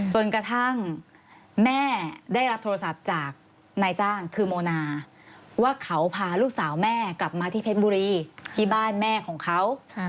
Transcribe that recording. จนกระทั่งแม่ได้รับโทรศัพท์จากนายจ้างคือโมนาว่าเขาพาลูกสาวแม่กลับมาที่เพชรบุรีที่บ้านแม่ของเขา